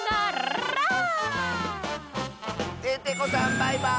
バイバーイ！